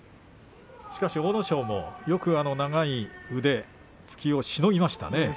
しかし阿武咲もよくあの長い腕の突き押しをしのぎましたね。